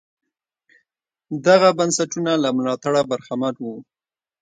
دغه بنسټونه له ملاتړه برخمن وو.